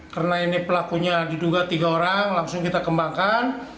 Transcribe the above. karena ini pelakunya diduga tiga orang langsung kita kembangkan